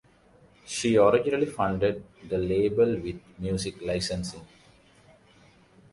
She originally funded the label with music licensing.